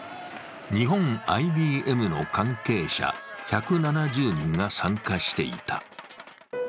日本ＩＢＭの関係者１７０人が参加していた。